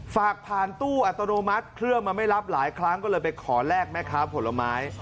ฝากผ่านตู้อัตโนมัติเครื่องมันไม่รับหลายครั้งก็เลยไปขอแลกแม่ค้าผลไม้